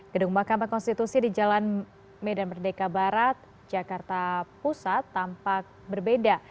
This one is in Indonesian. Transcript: gedung mahkamah konstitusi di jalan medan merdeka barat jakarta pusat tampak berbeda